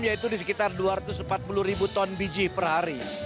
yaitu di sekitar dua ratus empat puluh ribu ton biji per hari